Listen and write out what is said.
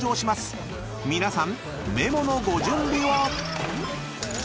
［皆さんメモのご準備を！］